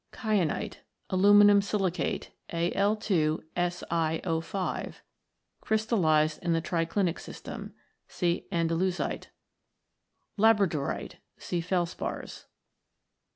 Kyanite. Aluminium silicate, Al 2 Si0 6 , crystallised in the tri clinic system. See Andalusite. Labradorite. See Felspars.